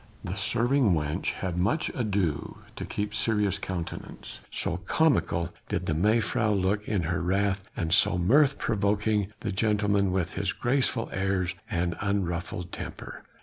The serving wench had much ado to keep a serious countenance, so comical did the mevrouw look in her wrath, and so mirth provoking the gentleman with his graceful airs and unruffled temper.